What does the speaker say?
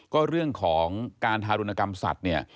ก็เรื่องของการทารุณกรรมสัตว์เนี่ย